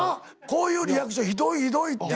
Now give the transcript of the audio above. こういうリアクション「ひどいひどい」って。